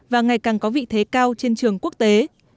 và ngày càng có vị thế cao trên trường quốc tế